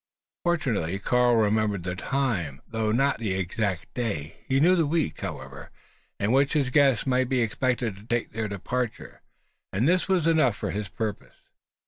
Fortunately, Karl remembered the time, though not the exact day. He knew the week, however, in which his guests might be expected to take their departure; and this was enough for his purpose.